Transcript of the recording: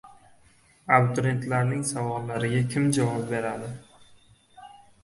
Abituriyentlarning savollariga kim javob beradi?